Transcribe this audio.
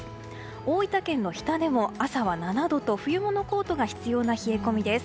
大分県の日田でも、朝は７度と冬物コートが必要な冷え込みです。